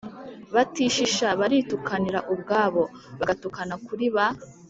batishisha baritukanira ubwabo, bagatukana kuri ba